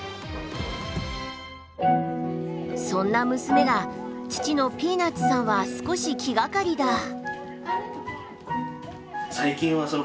そんな娘が父のピーナッツさんは少し気がかりだ。